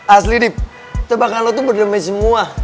asli dip tebakan lo tuh berdermi semua